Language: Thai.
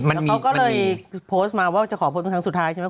เขาก็เลยโพสต์มาว่าจะขอโพสต์เป็นครั้งสุดท้ายใช่ไหม